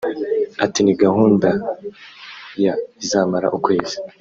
Ati “Ni gahunda ya izamara ukwezi